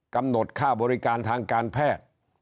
กำหนดค่าบริการทางการแพทย์